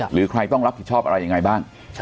หรือใครต้องรับผิดชอบอะไรยังไงบ้าง